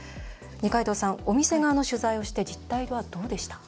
二階堂さん、お店側の取材をして実態はどうでした？